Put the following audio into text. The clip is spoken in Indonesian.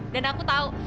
dan aku tahu